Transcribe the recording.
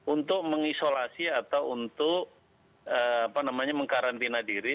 untuk mengisolasi atau untuk mengkarantina diri